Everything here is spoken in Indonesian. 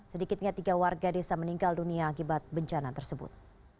sedikitnya tiga warga desa meninggal dunia akibat bencana tersebut